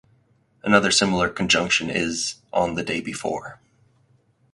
Another similar conjunction is "on the day before".